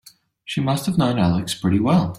She must have known Alex pretty well.